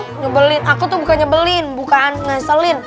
hah nyebelin aku tuh bukan nyebelin bukan ngeselin